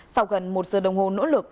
sau gần một giờ đồng hồ nỗ lực